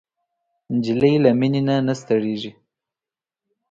نجلۍ له مینې نه نه ستړېږي.